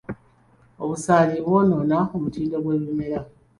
Obusaanyi bwonoona omutindo gw'ebimera.